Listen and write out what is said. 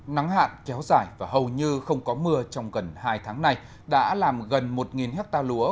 nắng hạn kéo dài và hầu như không có mưa trong gần hai tháng nay đã làm gần một hectare lúa